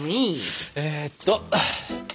えっと。